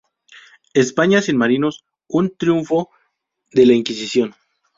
España sin marinos: Un triunfo de la Inquisición.